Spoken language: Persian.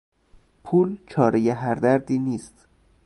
پول چارهی هر دردی نیست.